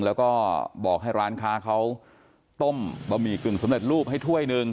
แล้วก็บอกให้ร้านค้าเขาต้มบะหมี่กึ่งสำเร็จรูปให้ถ้วยหนึ่ง